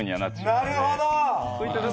「なるほど！」